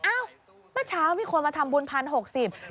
อ้าวมันเช้ามีคนมาทำบุญพันธุ์๖๐